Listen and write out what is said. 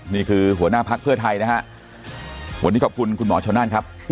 ทักเพื่อไทยนะฮะวันนี้ขอบคุณคุณหมอชะวน่านครับ